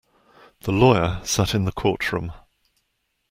The lawyer sat in the courtroom.